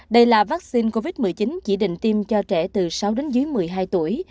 đây là vaccine covid một mươi chín chỉ định tiêm cho trẻ từ sáu đến dưới một mươi hai tuổi